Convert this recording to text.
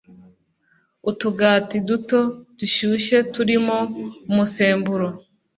Utugati duto dushyushye turimo umusemburo